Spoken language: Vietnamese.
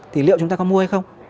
thì liệu chúng ta có mua hay không